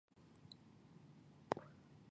但两人仍然无法有任何结果。